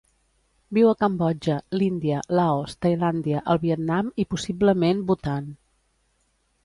Viu a Cambodja, l'Índia, Laos, Tailàndia, el Vietnam i possiblement Bhutan.